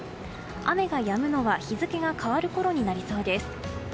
雨がやむのは日付が変わるころになりそうです。